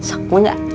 ibu mau ga